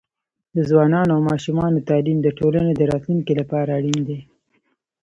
د ځوانانو او ماشومانو تعليم د ټولنې د راتلونکي لپاره اړین دی.